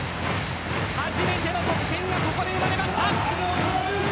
初めての得点がここで生まれました。